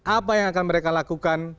apa yang akan mereka lakukan